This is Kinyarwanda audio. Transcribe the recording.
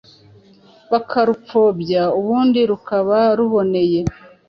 bakarupfobya ubundi rukaba ruboneye.